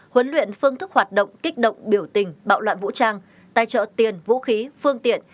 huấn luyện phương thức hoạt động kích động biểu tình bạo loạn vũ trang tài trợ tiền vũ khí phương tiện